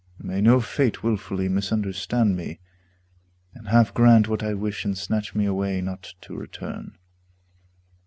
May no fate willfully misunderstand me And half grant what I wish and snatch me away Not to return.